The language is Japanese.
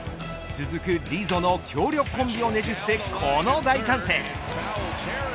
続くリゾの強力コンビをねじ伏せこの大歓声。